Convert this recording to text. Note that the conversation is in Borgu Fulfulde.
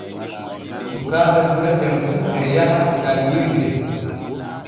Sukaaɓe gure ɗem fu e yaha janŋirde.